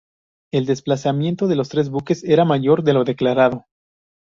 El desplazamiento de los tres buques era mayor de lo declarado.